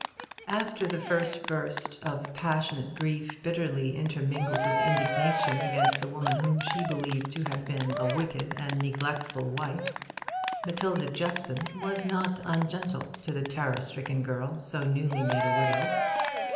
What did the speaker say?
After the first burst of passionate grief, bitterly intermingled with indignation against the woman whom she believed to have been a wicked and neglectful wife, Matilda Jeffson was not ungentle to the terror stricken girl so newly made a widow.